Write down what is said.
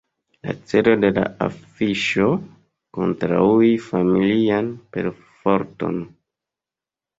La celo de la afiŝo: kontraŭi familian perforton.